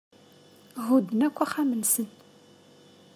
Hudden akk axxam-nsen.